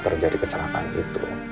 terjadi kecelakaan itu